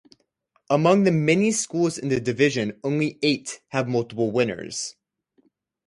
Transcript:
Among the many schools in the division, only eight have multiple winners.